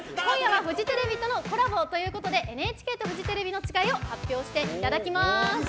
今夜はフジテレビとのコラボということで「ＮＨＫとフジテレビのちがい」を発表していただきます。